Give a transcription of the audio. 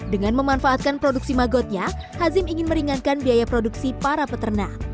dengan memanfaatkan produksi magotnya hazim ingin meringankan biaya produksi para peternak